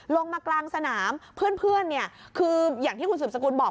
ลงมากลางสนามเพื่อนเนี่ยคืออย่างที่คุณสืบสกุลบอก